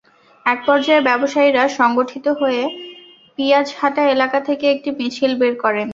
একপর্যায়ে ব্যবসায়ীরা সংগঠিত হয়ে পিঁয়াজহাটা এলাকা থেকে একটি মিছিল বের করেন।